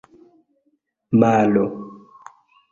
malo